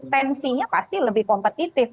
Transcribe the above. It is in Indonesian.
tensinya pasti lebih kompetitif